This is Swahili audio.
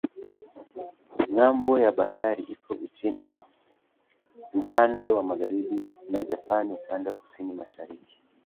Ng'ambo ya bahari iko Uchina upande wa magharibi na Japani upande wa kusini-mashariki.